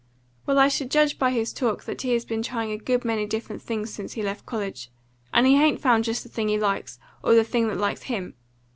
"Well, I should judge by his talk that he had been trying a good many different things since he left college, and he hain't found just the thing he likes or the thing that likes him.